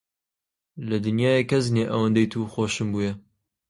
لە دنیایێ کەس نییە ئەوەندەی توو خۆشم بوێ.